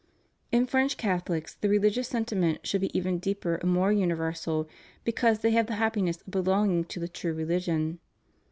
In French Catholics the religious sentiment should be even deeper and more universal because they have the happiness of belonging to the true religion.